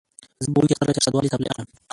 زه به وړوکي اختر له چارسدوالې څپلۍ اخلم